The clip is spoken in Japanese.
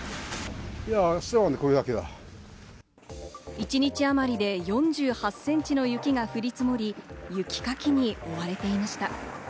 一日あまりで４８センチの雪が降り積もり、雪かきに追われていました。